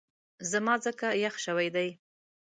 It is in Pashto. زما ځکه یخ شوی دی